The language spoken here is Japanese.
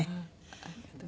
ありがとう。